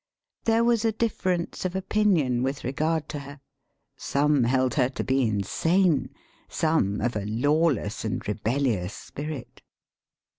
There was a difference of opinion with regard to her. Some held her to be in sane; some, of a lawless and rebellious spirit.